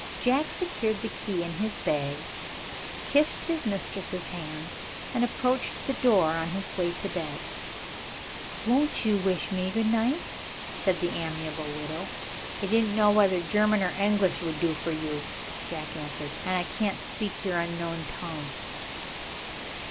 Jack secured the key in his bag, kissed his mistress's hand, and approached the door on his way to bed. "Won't you wish me good night?" said the amiable widow. "I didn't know whether German or English would do for you," Jack answered; "and I can't speak your unknown tongue."